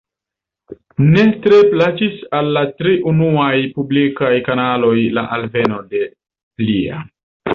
Ne tre plaĉis al la tri unuaj publikaj kanaloj la alveno de plia.